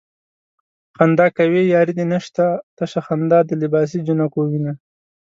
خندا کوې ياري دې نشته تشه خندا د لباسې جنکو وينه